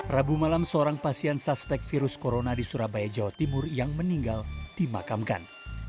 rabu malam seorang pasien suspek virus corona di surabaya jawa timur yang meninggal dimakamkan